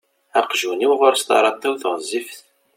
Aqjun-iw ɣur-s taṛatiwt ɣezzifet.